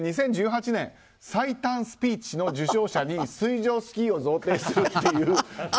２０１８年最短スピーチの受賞者に水上スキーを贈呈するっていう